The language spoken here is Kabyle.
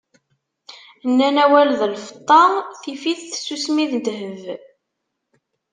Nnan awal d lfeṭṭa, tif-it tsusmi, d ddheb.